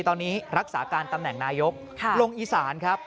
ตอนนี้รักษาการตำแหน่งนายกลงอีสานครับ